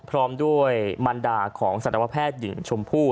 พร้อมด้วยมันดาของสัตวแพทย์หญิงชมพู่